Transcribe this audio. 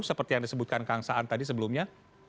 seperti yang disebutkan kang saan tadi sebelumnya